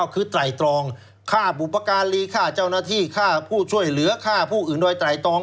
คือไตรตรองฆ่าบุปการีฆ่าเจ้าหน้าที่ฆ่าผู้ช่วยเหลือฆ่าผู้อื่นโดยไตรตรอง